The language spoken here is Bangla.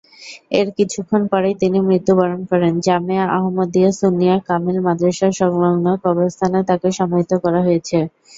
এর কিছুক্ষণ পরেই তিনি মৃত্যুবরণ করেন, জামেয়া আহমদিয়া সুন্নিয়া কামিল মাদরাসা সংলগ্ন কবরস্থানে তাকে সমাহিত করা হয়েছে।